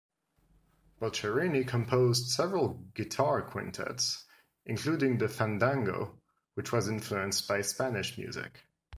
Boccherini composed several guitar quintets, including the "Fandango", which was influenced by Spanish music.